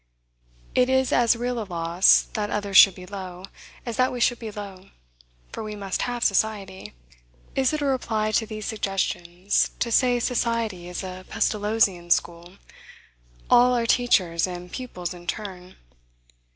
It is as real a loss that others should be low, as that we should be low; for we must have society. Is it a reply to these suggestions, to say, society is a Pestalozzian school; all are teachers and pupils in turn.